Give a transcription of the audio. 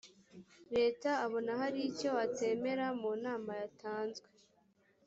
leta abona hari icyo atemera mu nama yatanzwe